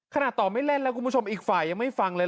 ต่อไม่เล่นแล้วคุณผู้ชมอีกฝ่ายยังไม่ฟังเลย